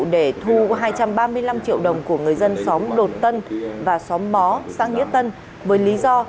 để thu hai trăm ba mươi năm triệu đồng của người dân xóm đột tân và xóm mó xã nghĩa tân với lý do